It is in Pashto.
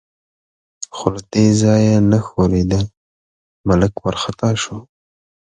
خو له دې ځایه نه ښورېده، ملک وارخطا شو.